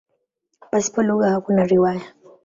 Pasipo lugha hakuna riwaya.